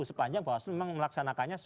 sepanjang bawaslu memang melaksanakannya